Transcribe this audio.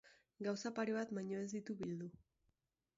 Gauza pare bat baino ez dituen bildu.